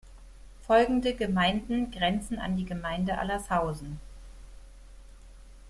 Folgende Gemeinden grenzen an die Gemeinde Allershausen.